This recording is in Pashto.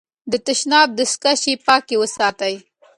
د تشناب دستکشې پاکې وساتئ.